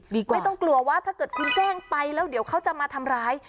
ไม่ต้องกลัวว่าถ้าเกิดคุณแจ้งไปแล้วเดี๋ยวเขาจะมาทำร้าย